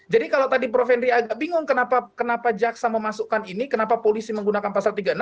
jadi kalau tadi prof henry agak bingung kenapa jaksa memasukkan ini kenapa polisi menggunakan pasal tiga puluh enam